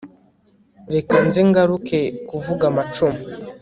reka nze ngaruke kuvuga amacumu